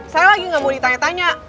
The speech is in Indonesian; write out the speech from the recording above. saya lagi nggak mau ditanya tanya